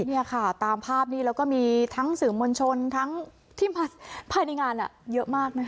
นี่ค่ะตามภาพนี้แล้วก็มีทั้งสื่อมวลชนทั้งที่ภายในงานเยอะมากนะคะ